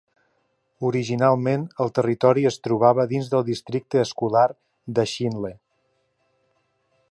Originalment, el territori es trobava dins del districte escolar de Chinle.